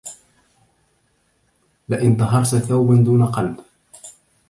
لئن طهرت ثوبا دون قلب